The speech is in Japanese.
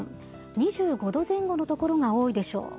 ２５度前後の所が多いでしょう。